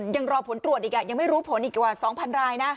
ยังรอผลตรวจอีกยังไม่รู้ผลอีกกว่า๒๐๐รายนะ